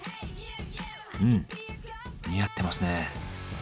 うん似合ってますね。